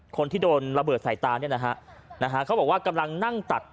คนที่โดนระเบิดใส่ตาเนี่ยนะฮะเขาบอกว่ากำลังนั่งตัด